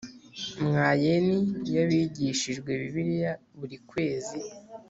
Mwayeni y abigishijwe Bibiliya buri kwezi